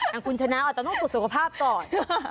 หากคุณชนะอาจจะต้องตกสุขภาพก่อน